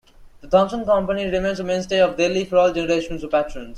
The Thomson Company remains a mainstay of Delhi for all generations of patrons.